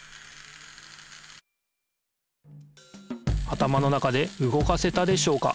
頭の中で動かせたでしょうか？